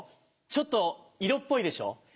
ちょっと色っぽいでしょ？